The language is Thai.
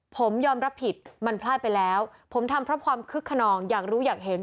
ผมยอมรับผิดมันพลาดไปแล้วผมทำเพราะความคึกขนองอยากรู้อยากเห็น